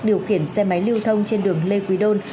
điều khiển xe máy lưu thông trên đường lê quý đôn